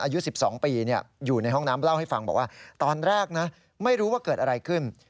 อายุ๑๒ปีอยู่ในห้องน้ำเล่าให้ฟังบอกว่าตอนแรกนะไม่รู้ว่าเกิดอะไรขึ้น